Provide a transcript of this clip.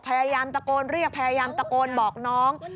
พยายามตะโกนเรียกพยายามตะโกนบอกน้อง